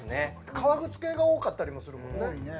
革靴系が多かったりするもんね。